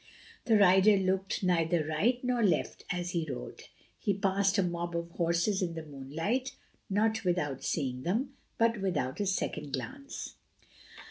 The rider looked neither right nor left as he rode. He passed a mob of horses in the moonlight, not without seeing them, but without a second glance.